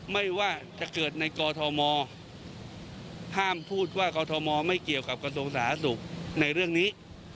ไม่ว่าจะเกิดในกรธมนตรีห้ามพูดว่ากรธมนตรีไม่เกี่ยวกับกระทรวงศาสนธนาศุกร์ในเรื่องนี้